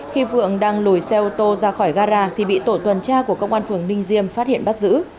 khi vượng đang lùi xe ô tô ra khỏi gara thì bị tổ tuần tra của công an phường ninh diêm phát hiện bắt giữ